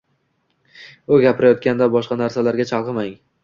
U gapirayotganda boshqa narsalarga chalg‘imang.